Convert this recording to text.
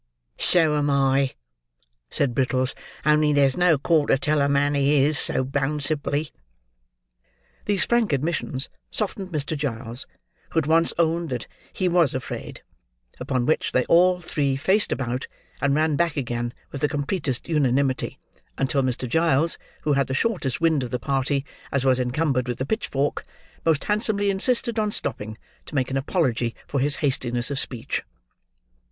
"So am I," said Brittles; "only there's no call to tell a man he is, so bounceably." These frank admissions softened Mr. Giles, who at once owned that he was afraid; upon which, they all three faced about, and ran back again with the completest unanimity, until Mr. Giles (who had the shortest wind of the party, as was encumbered with a pitchfork) most handsomely insisted on stopping, to make an apology for his hastiness of speech.